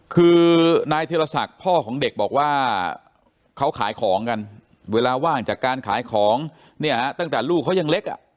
คือนายธิรศักดิ์พ่อของเด็กบอกว่าเขาขายของกันเวลาว่างจากการขายของเนี่ยฮะตั้งแต่ลูกเขายังเล็กอ่ะ